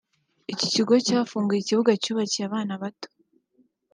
iki kigo cyafunguye ikibuga cyubakiwe abana bato